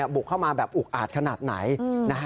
บุกเข้ามาแบบอุกอาดขนาดไหน